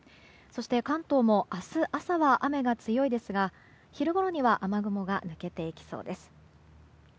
そして、関東も明日朝は雨が強いですが昼ごろには雨雲が抜けていきそうです。